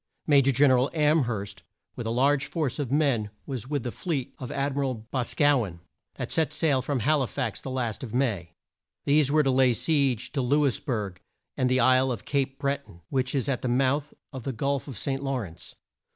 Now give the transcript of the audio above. Ma jor Gen er al Am herst with a large force of men was with the fleet of Ad mi ral Bos caw en, that set sail from Hal i fax the last of May. These were to lay siege to Lou is berg and the isle of Cape Bre ton, which is at the mouth of the Gulf of St. Law rence.